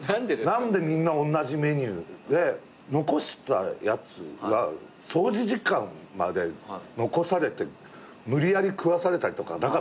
何でみんなおんなじメニューで残したやつは掃除時間まで残されて無理やり食わされたりとかなかった？